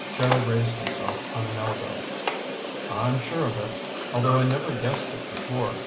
Joe raised himself on an elbow. "I'm sure of it, although I never guessed it before.